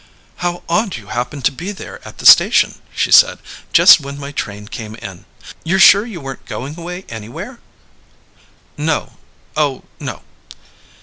"How odd you happened to be there at the station," she said, "just when my train came in! You're sure you weren't going away anywhere?" "No; oh, no."